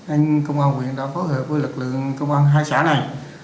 nên công an huyện đã phối hợp với lực lượng công an hai xã này